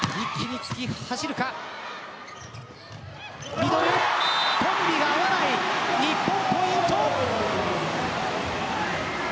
ミドルコンビが合わない日本ポイント。